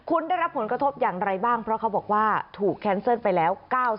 คุณได้รับผลกระทบอย่างไรบ้างเพราะเขาบอกว่าถูกแคนเซิลไปแล้ว๙๐